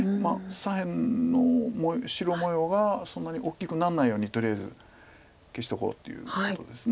左辺の白模様がそんなに大きくならないようにとりあえず消しておこうっていうことです。